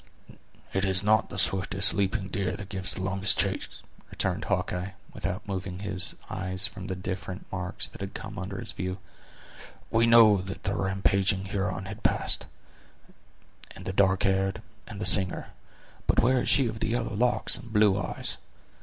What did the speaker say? "It is not the swiftest leaping deer that gives the longest chase," returned Hawkeye, without moving his eyes from the different marks that had come under his view; "we know that the rampaging Huron has passed, and the dark hair, and the singer, but where is she of the yellow locks and blue eyes?